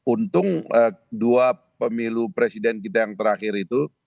untung dua pemilu presiden kita yang terakhir itu